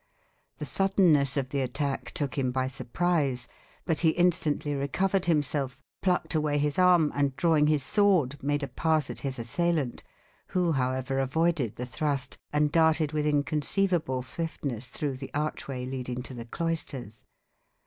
The suddenness of the attack took him by surprise; but he instantly recovered himself, plucked away his arm, and, drawing his sword, made a pass at his assailant, who, however, avoided the thrust, and darted with inconceivable swiftness through the archway leading to the cloisters.